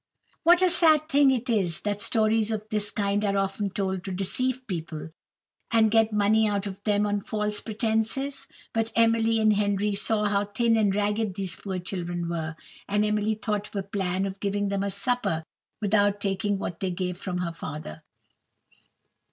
What a sad thing it is that stories of this kind are often told to deceive people, and get money out of them on false pretences! But Emily and Henry saw how thin and ragged these poor children were, and Emily thought of a plan of giving them a supper without taking what they gave from her father.